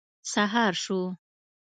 سهار شو.